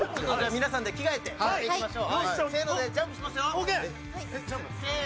皆さんで着替えてやっていきましょう。